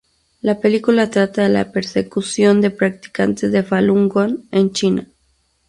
La película trata de la persecución de practicantes de Falun Gong en China.